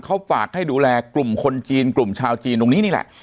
เขาฝากให้ดูแลกลุ่มคนจีนกลุ่มชาวจีนตรงนี้นี่แหละ